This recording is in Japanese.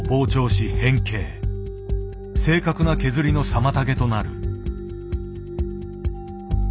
正確な削りの妨げとなる。